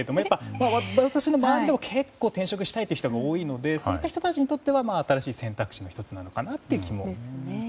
私の周りにも結構、転職したいという人が多いのでそういった人たちにとっては新しい選択肢の１つかなという気もします。